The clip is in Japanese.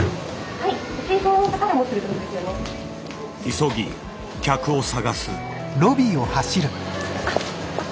急ぎ客をさがす。